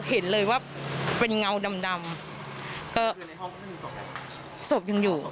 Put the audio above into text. เธอขนลุกเลยนะคะเสียงอะไรอีกเสียงอะไรบางอย่างกับเธอแน่นอนค่ะ